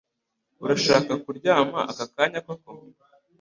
Urashaka kuryama aka kanya koko?